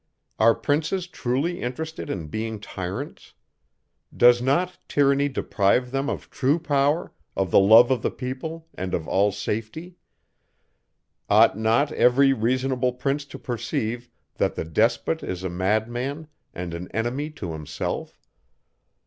Are princes truly interested in being tyrants? Does not tyranny deprive them of true power, of the love of the people, and of all safety? Ought not every reasonable prince to perceive, that the despot is a madman, and an enemy to himself?